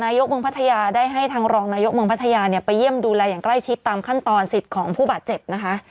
ยกเมืองพัทยาได้ให้ทางรองนายกเมืองพัทยาเนี่ยไปเยี่ยมดูแลอย่างใกล้ชิดตามขั้นตอนสิทธิ์ของผู้บาดเจ็บนะคะ